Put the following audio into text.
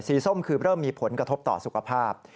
ส้มคือเริ่มมีผลกระทบต่อสุขภาพ